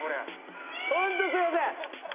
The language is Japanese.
ホントすいません！